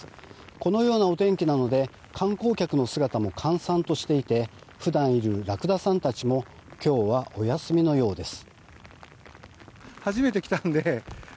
このようなお天気なので観光客の姿も閑散としていて普段いるラクダさんたちも今日はお休みのようです。